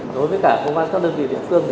đối với cả công an các đơn vị địa phương